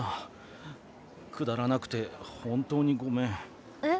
くだらなくて本当にごめん。え？